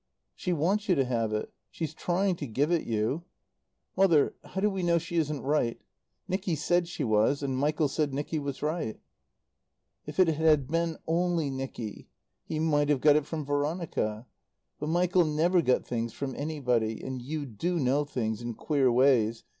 "She wants you to have it. She's trying to give it you. "Mother how do we know she isn't right? Nicky said she was. And Michael said Nicky was right. "If it had been only Nicky he might have got it from Veronica. But Michael never got things from anybody. And you do know things in queer ways.